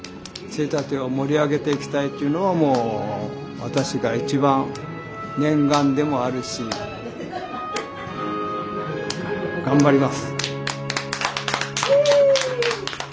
杖立を盛り上げていきたいっていうのがもう私が一番念願でもあるし頑張ります。